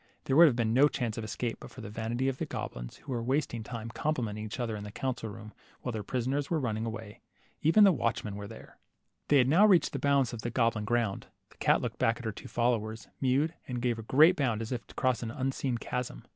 There would have been no chance of escape but for the vanity of the goblins, who were wasting time complimenting each other in the council room while their prisoners were running away. Even the watchmen were there. They had now reached the bounds of the goblin 42 LITTLE HANS. ground. The cat looked back at her two followers, mewed, and gave a great bound as if across an unseen chasm.